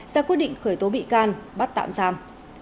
ra quyết định khởi tố bị can bắt tạm giam